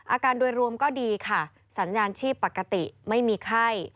อาการโดยรวมก็ดีค่ะสัญญาณชีพปกติไม่มีไข้